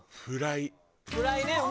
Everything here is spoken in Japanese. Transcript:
フライね！